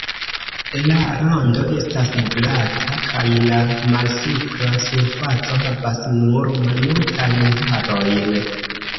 La rando estas glata kaj la malsupra surfaco havas nur malmultajn harojn.